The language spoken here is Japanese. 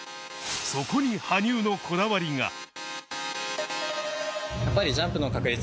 そこに羽生のこだわりが。